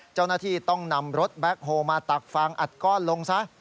เจ้าหน้าที่ต้องนำรถแบ็คโฮลมาตักฟางอัดก้อนลงซะ